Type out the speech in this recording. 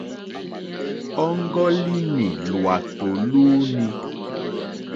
Ɔ́ŋɡɔ́línì lwàtò lúú!ní.